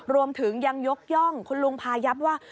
รวมถึงยังยกย่องคุณลุงพายับว่า